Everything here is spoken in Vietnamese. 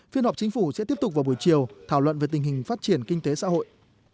phiên họp chính phủ sẽ tiếp tục vào buổi chiều thảo luận về tình hình phát triển kinh tế xã hội